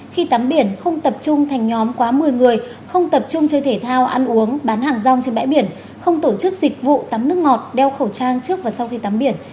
khi tắm biển không tập trung thành nhóm quá một mươi người không tập trung chơi thể thao ăn uống bán hàng rong trên bãi biển không tổ chức dịch vụ tắm nước ngọt đeo khẩu trang trước và sau khi tắm biển